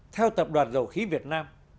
theo tập đoàn dầu khí việt nam